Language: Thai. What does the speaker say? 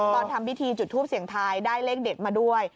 ตอนทำพิธีจุดทูปเสียงทายได้เลขเด็ดมาด้วย